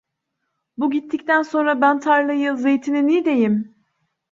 Bu gittikten sonra ben tarlayı, zeytini n'ideyim?